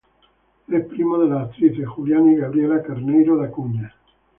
Es primo de las actrices Juliana y Gabriela Carneiro da Cunha.